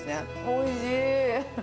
おいしい。